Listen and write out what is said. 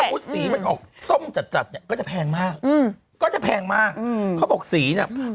สีมันออกส้มจัดจัดเนี่ยก็จะแพงมากอืมก็จะแพงมากอืมเขาบอกสีเนี่ย